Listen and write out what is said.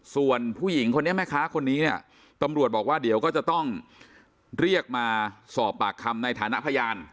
ส่วนผู้หญิงคนนี้แม่ค้าคนนี้เนี่ยตำรวจบอกว่าเดี๋ยวก็จะต้องเรียกมาสอบปากคำในฐานะพยาน